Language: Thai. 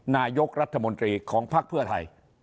นายกรัฐมนตรีของภักดิ์เพื่อไทย